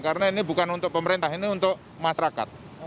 karena ini bukan untuk pemerintah ini untuk masyarakat